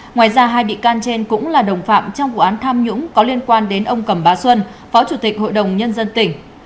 ngoài ra hai bị can trên cũng là đồng phạm trong vụ án tham nhũng có liên quan đến ông cầm bá xuân phó chủ tịch hội đồng nhân dân tỉnh